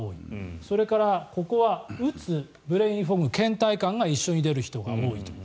それからここはうつ、ブレインフォグけん怠感が一緒に出る人が多いと。